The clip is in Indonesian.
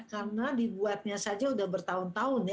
karena dibuatnya saja sudah bertahun tahun